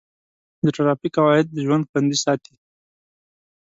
د ټرافیک قواعد د ژوند خوندي ساتي.